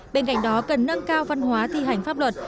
bên cạnh đó cần nâng cao văn hóa thi hành pháp luật